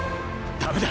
ダメだ！